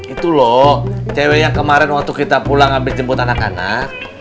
itu loh cewek yang kemarin waktu kita pulang ambil jemput anak anak